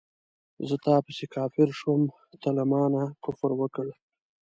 زه تا پسې کافر شوم تا له مانه کفر وکړ